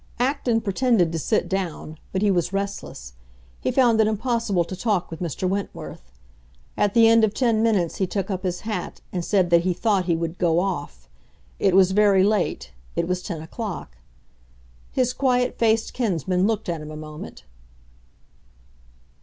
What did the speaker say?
Acton pretended to sit down, but he was restless; he found it impossible to talk with Mr. Wentworth. At the end of ten minutes he took up his hat and said that he thought he would "go off." It was very late; it was ten o'clock. His quiet faced kinsman looked at him a moment.